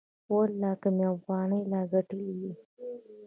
ولله که مې اوغانۍ لا گټلې وي.